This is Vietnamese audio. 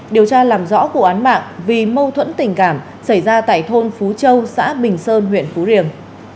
điều tra làm rõ vụ án mạng vì mâu thuẫn tình cảm xảy ra tại thôn phú châu xã bình sơn huyện phú riềng